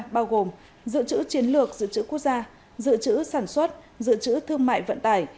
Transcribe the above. bao gồm dự trữ chiến lược dự trữ quốc gia dự trữ sản xuất dự trữ thương mại vận tải